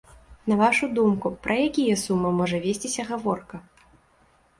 На вашу думку, пра якія сумы можа весціся гаворка?